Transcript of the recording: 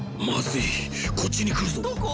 まずいこっちにくるぞ！